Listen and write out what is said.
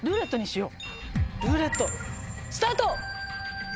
ルーレットスタート！